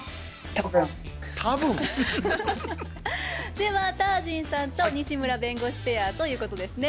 ではタージンさんと西村弁護士ペアということですね。